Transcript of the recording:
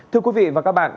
thưa quý vị và các bạn